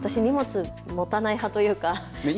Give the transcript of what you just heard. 私、荷物持たない派というか。